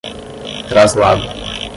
traslado